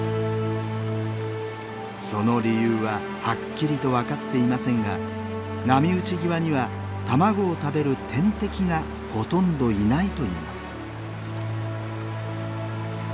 その理由ははっきりと分かっていませんが波打ち際には卵を食べる天敵がほとんどいないといいます。